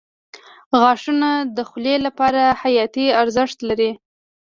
• غاښونه د خولې لپاره حیاتي ارزښت لري.